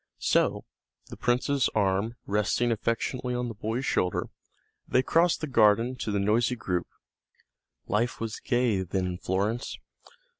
So, the prince's arm resting affectionately on the boy's shoulder, they crossed the garden to the noisy group. Life was gay then in Florence.